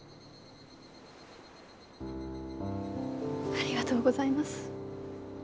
ありがとうございます。